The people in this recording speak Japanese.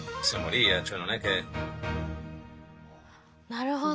なるほど。